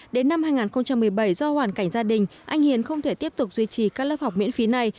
đến năm hai nghìn một mươi bảy do hoàn cảnh gia đình anh hiền không thể tiếp tục duy trì các lớp học miễn phí này